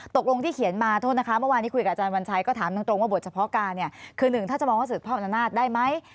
ตกลงที่เขียนมาโทษนะคะเมื่อวานนี้คุยกับอาจารย์วันชัยก็ถามตรงว่าบทเฉพาะการเนี่ยคือหนึ่งถ้าจะมองว่าสืบทอดอำนาจได้ไหม